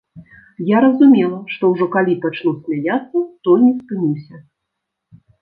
Я разумела, што ўжо калі пачну смяяцца, то не спынюся.